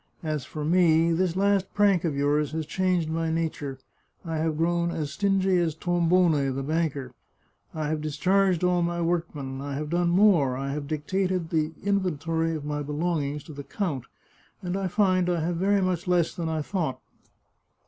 As for me, this last prank of yours has changed my nature ; I have grown as stingy as Tombone, the banker. I have discharged all my work men. I have done more — I have dictated the inventory of my belongings to the count, and I find I have very much less than I thought.